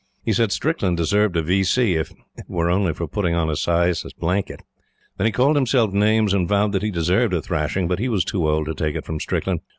He said Strickland deserved a V. C., if it were only for putting on a sais's blanket. Then he called himself names, and vowed that he deserved a thrashing, but he was too old to take it from Strickland.